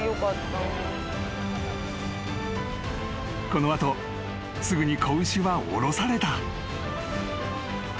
［この後すぐに子牛は下ろされた］